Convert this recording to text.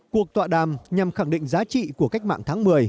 cuộc tọa đàm nhằm khẳng định giá trị của cách mạng tháng một mươi